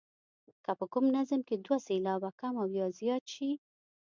که په کوم نظم کې دوه سېلابه کم او یا زیات شي.